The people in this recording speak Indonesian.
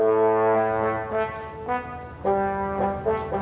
dia selalu selalu bilang